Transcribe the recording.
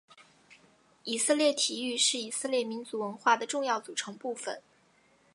以色列体育是以色列民族文化的重要组成部分。